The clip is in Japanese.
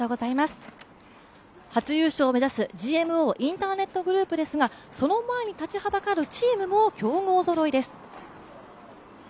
初優勝を目指すＧＭＯインターネットグループですがその前に立ちはだかるチームも強豪ぞろいです。